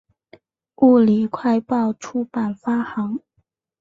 物理快报出版发行。